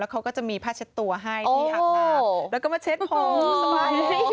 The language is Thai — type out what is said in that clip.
เขาก็จะมีผ้าเช็ดตัวให้ที่หักหน้าแล้วก็มาเช็ดผมสบาย